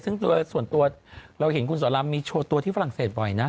ซึ่งส่วนตัวเราเห็นคุณสอนรามมีโชว์ตัวที่ฝรั่งเศสบ่อยนะ